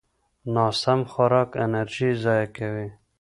ناسم خوراک انرژي ضایع کوي.